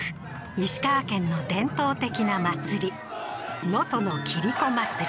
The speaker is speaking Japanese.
石川県の伝統的な祭り能登のキリコ祭り